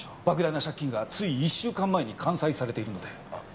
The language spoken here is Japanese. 莫大な借金がつい１週間前に完済されているので。